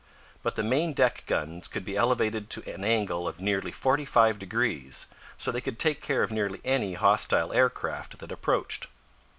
But the main deck guns could be elevated to an angle of nearly forty five degrees, so they could take care of nearly any hostile aircraft that approached.